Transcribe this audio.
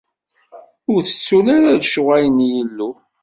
Ur ttettun ara lecɣwal n Yillu.